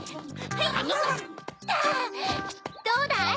どうだい？